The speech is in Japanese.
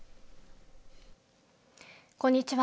こんにちは。